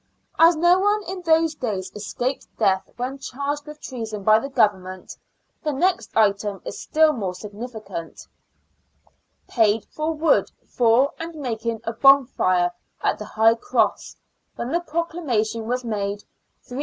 As no one in those days escaped death when charged with treason by the Government, the next item is still more significant :—" Paid for wood for and making a bonfire at the High Cross, when the proclamation was made, 3s.